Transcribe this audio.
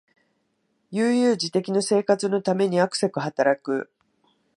悠々自適の生活のためにあくせく働く